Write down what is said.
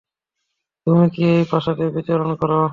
তুমি কি এই প্রাসাদে বিচরণ করো?